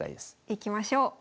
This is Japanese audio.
いきましょう。